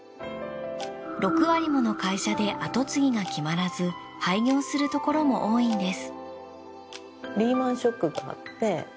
６割もの会社で後継ぎが決まらず廃業するところも多いんです。